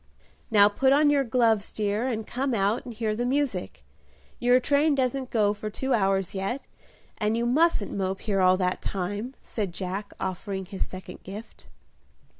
"Now put on your gloves, dear, and come out and hear the music: your train doesn't go for two hours yet, and you mustn't mope here all that time," said Jack, offering his second gift.